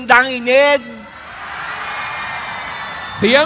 กาเบอร์